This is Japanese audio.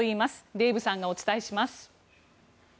デーブさんがお伝えします。